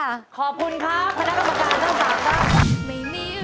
ขอบคุณครับคณะกรรมการเจ้าบาปครับ